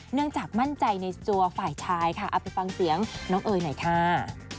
เนื่องจากมั่นใจในตัวฝ่ายชายค่ะเอาไปฟังเสียงน้องเอ๋ยหน่อยค่ะ